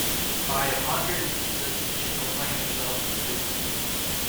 By a hundred instances she proclaimed herself a dupe.